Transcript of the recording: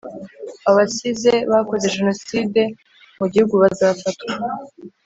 abasize bakoze jenoside mu gihugu bazafatwa